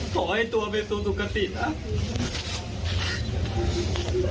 ขอให้ตัวเป็นตัวสุขสินอะ